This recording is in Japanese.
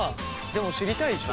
でも知りたいでしょ？